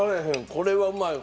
これはうまい。